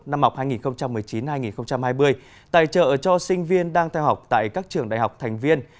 năm học hai nghìn một mươi chín hai nghìn hai mươi tài trợ cho sinh viên đang theo học tại các trường đại học thành viên